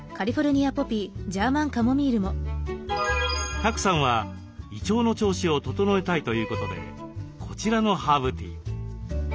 賀来さんは胃腸の調子を整えたいということでこちらのハーブティーを。